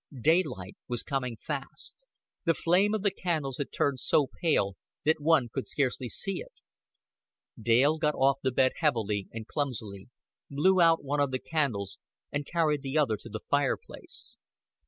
Daylight was coming fast; the flame of the candles had turned so pale that one could scarcely see it. Dale got off the bed heavily and clumsily, blew out one of the candles and carried the other to the fireplace.